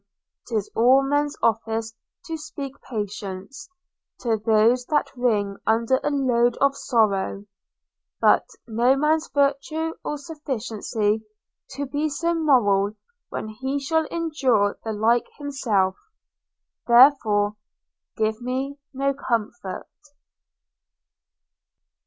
'tis all men's office to speak patience To those that wring under a load of sorrow; But no man's virtue or sufficiency To be so moral, when he shall endure The like himself. Therefore give me no comfort.'